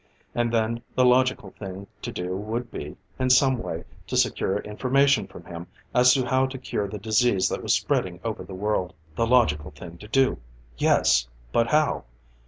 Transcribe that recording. And then the logical thing to do would be, in some way, to secure information from him as to how to cure the disease that was spreading over the world. The logical thing to do, yes but how?